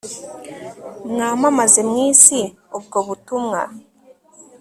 mwamaamaze mwisi ubwo buutumwa